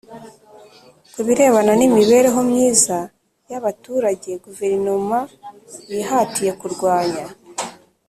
Ku birebana n imibereho myiza y abaturage Guverinoma yihatiye kurwanya